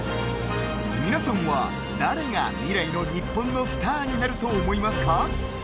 皆さんは誰が未来の日本のスターになると思いますか。